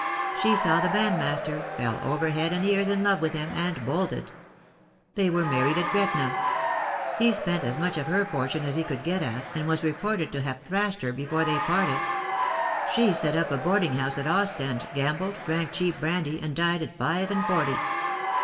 She saw the bandmaster, fell over head and ears in love with him, and bolted. They were married at Gretna. He spent as much of her fortune as he could get at, and was re THE DAY WILL COME. 37 ported to have thrashed her before they parted. She set up a boarding house at Ostend, gambled, drank cheap brandy, and died at five and forty."